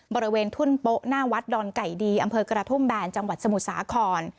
บริเวณทุ่นโป๊ะหน้าวัดดอนไก่ดีอำเภอกระทุ่มแบนจังหวัดสมุทรสาคร